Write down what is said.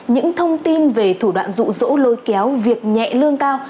những thông tin về thủ đoạn rụ rỗ lôi kéo việc nhẹ lương cao